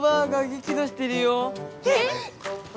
えっ！